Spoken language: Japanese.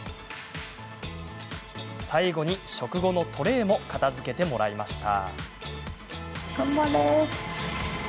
最後に、食後のトレーも片づけてもらいました。